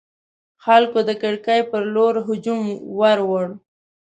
خلکو د کړکۍ پر لور هجوم وروړ.